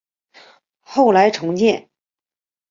后来重建。